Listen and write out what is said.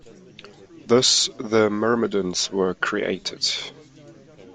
Thus the myrmidons were created.